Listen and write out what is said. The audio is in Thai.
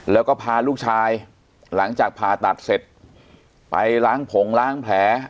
แล้วก็พาลูกชายหลังจากผ่าตัดเสร็จไปล้างผงล้างแผล